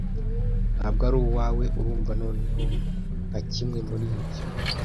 Ntabwo ari uwawe. Urumva noneho nka kimwe muri ibyo